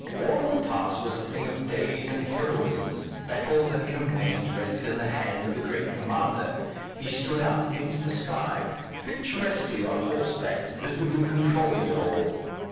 War in the past was a thing of days and heroisms; battles and campaigns rested in the hand of the great commander, he stood out against the sky, picturesquely on horseback, visibly controlling it all.